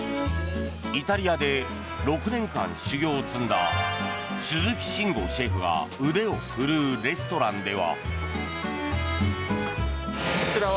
イタリアで６年間修業を積んだ鈴木伸悟シェフが腕を振るうレストランでは。